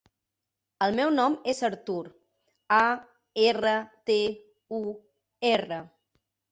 El meu nom és Artur: a, erra, te, u, erra.